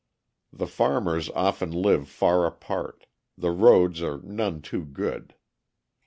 The farmers often live far apart; the roads are none too good.